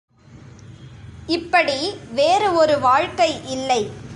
இப்படி வேறு ஒரு வாழ்க்கை இல்லை,.